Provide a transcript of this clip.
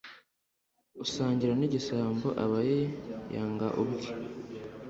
usangira n'igisambo aba yiyanga ubwe